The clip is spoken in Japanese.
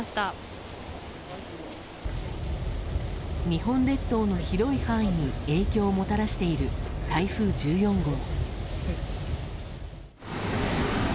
日本列島の広い範囲に影響をもたらしている台風１４号。